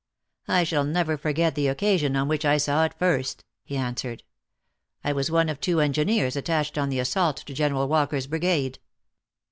" I shall never forget the occasion on which I saw it first," he answered. " I was one of two engineers attached on the assault to General Walker s brigade.